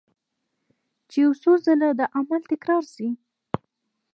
چې يو څو ځله دا عمل تکرار شي